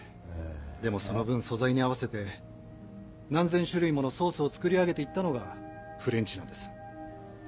でもその分素材に合わせて何千種類ものソースを作り上げて行ったのがフレンチなんです。